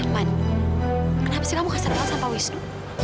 man kenapa sih kamu kasar banget sama pak wisnu